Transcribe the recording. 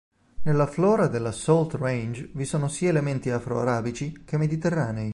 Nella flora della Salt Range vi sono sia elementi afro-arabici che mediterranei.